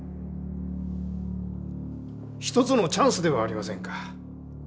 一つのチャンスではありませんか。